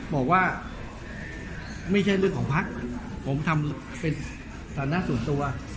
บอกว่าไม่ใช่เรื่องของภักดิ์ผมทำเป็นฐานะส่วนตัว